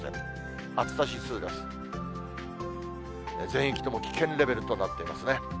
全域とも危険レベルとなっていますね。